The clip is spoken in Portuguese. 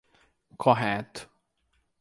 Correto.